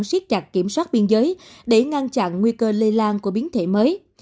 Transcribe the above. siết chặt kiểm soát biên giới để ngăn chặn nguy cơ lây lan của biến thể mới